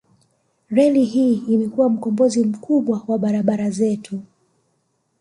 Reli hii imekuwa mkombozi mkubwa wa barabara zetu